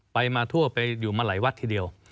ไปมาทั่วไปอยู่มาหลายวัดทีเดียว